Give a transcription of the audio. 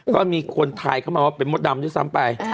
ก็มีคนทายเข้ามาว่าเป็นมดดำด้วยซ้ำไป